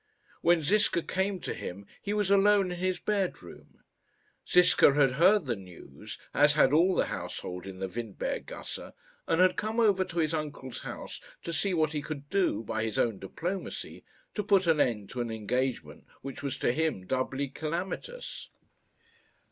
When Ziska came to him he was alone in his bedroom. Ziska had heard the news, as had all the household in the Windberg gasse, and had come over to his uncle's house to see what he could do, by his own diplomacy, to put an end to an engagement which was to him doubly calamitous.